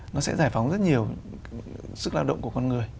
nó sẽ giải phóng rất nhiều sức lao động của con người